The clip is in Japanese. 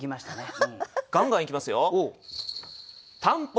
ガンガンいきますよ。